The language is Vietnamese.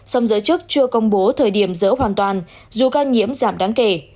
song giới chức chưa công bố thời điểm dỡ hoàn toàn dù ca nhiễm giảm đáng kể